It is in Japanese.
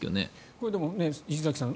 これ、でも石崎さん